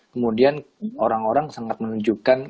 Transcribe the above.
kemudian orang orang sangat menunjukkan